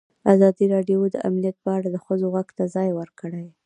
ازادي راډیو د امنیت په اړه د ښځو غږ ته ځای ورکړی.